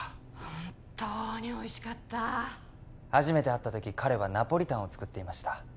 本当においしかった初めて会った時彼はナポリタンを作っていました